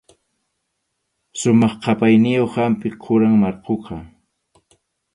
Sumaq qʼapayniyuq hampi quram markhuqa.